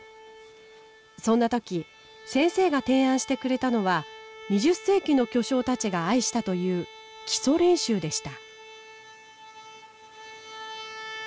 そんな時先生が提案してくれたのは２０世紀の巨匠たちが愛したという基礎練習でした。